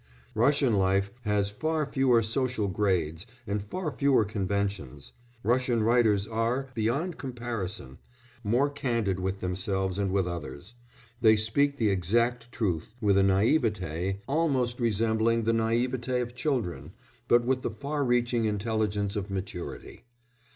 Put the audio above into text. Russian life has far fewer social grades and far fewer conventions; Russian writers are, beyond comparison, more candid with themselves and with others; they speak the exact truth with a naïveté almost resembling the naïveté of children, but with the far reaching intelligence of maturity.